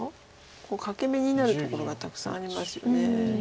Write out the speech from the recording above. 欠け眼になるところがたくさんありますよね。